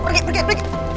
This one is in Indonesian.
pergi pergi pergi